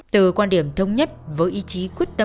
từ quan điểm thông nhất với ý chí